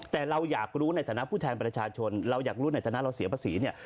แต่เราอยากรู้ในฐานะผู้แทนประชาชนเราอยากรู้ในฐานะเราเสียภาษีเนี่ย